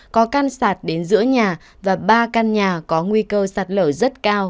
có căn sạt đến giữa nhà và ba căn nhà có nguy cơ sạt lở rất cao